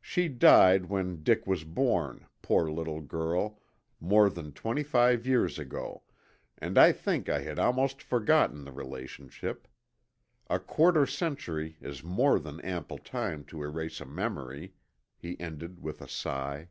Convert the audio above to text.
She died when Dick was born, poor little girl, more than twenty five years ago, and I think I had almost forgotten the relationship. A quarter century is more than ample time to erase a memory," he ended with a sigh.